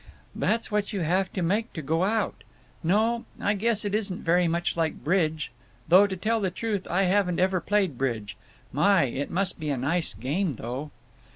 "That's what you have to make to go out. No, I guess it isn't very much like bridge; though, to tell the truth, I haven't ever played bridge. . My! it must be a nice game, though."